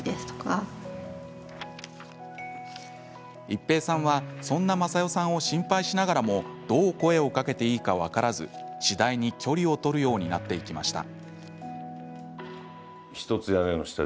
一平さんは、そんな雅代さんを心配しながらもどう声をかけていいか分からず次第に距離を取るようになっていきました。